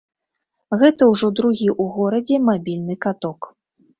Гэта ўжо другі ў горадзе мабільны каток.